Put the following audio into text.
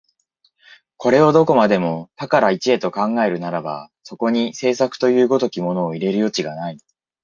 これをどこまでも多から一へと考えるならば、そこに製作という如きものを入れる余地がない。